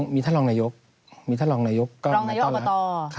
มีทางรองนายกะ